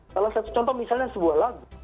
salah satu contoh misalnya sebuah lagu